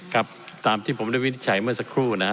ครับตามที่ผมได้วินิจฉัยเมื่อสักครู่นะฮะ